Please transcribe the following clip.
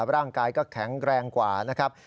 ร่างกายก็แข็งแรงกว่านะครับ